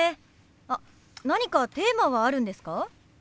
あっ何かテーマはあるんですか？